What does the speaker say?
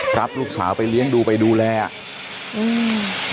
รับลูกสาวไปเลี้ยงดูไปดูแลอ่ะอืม